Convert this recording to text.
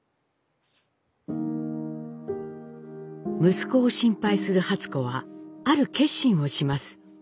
息子を心配する初子はある決心をします。